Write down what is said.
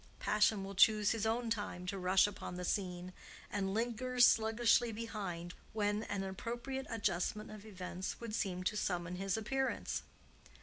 Passion will choose his own time to rush upon the scene, and lingers sluggishly behind when an appropriate adjustment of events would seem to summon his appearance.